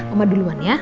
omah duluan ya